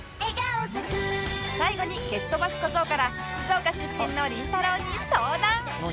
最後に蹴っとばし小僧から静岡出身のりんたろー。に相談